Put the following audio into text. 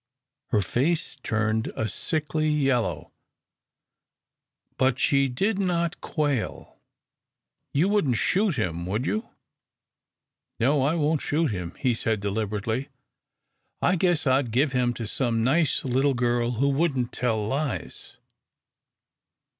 Her face turned a sickly yellow, but she did not quail. "You wouldn't shoot him, would you?" "No, I won't shoot him," he said, deliberately. "I guess I'd give him to some nice little girl who wouldn't tell lies."